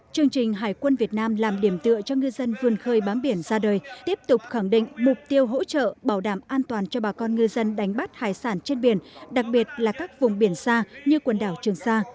chương trình hải quân việt nam làm điểm tựa cho ngư dân vươn khơi bám biển ra đời tiếp tục khẳng định mục tiêu hỗ trợ bảo đảm an toàn cho bà con ngư dân đánh bắt hải sản trên biển đặc biệt là các vùng biển xa như quần đảo trường sa